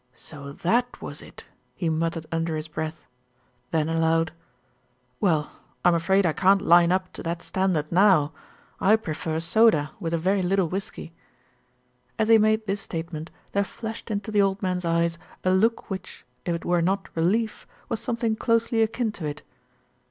"So that was it," he muttered under his breath, then aloud, "Well, I'm afraid I can't line up to that standard now. I prefer soda with a very little whisky." As he made this statement, there flashed into the old man's eyes a look which, if it were not relief, was something closely akin to it.